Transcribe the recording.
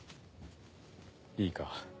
いいか？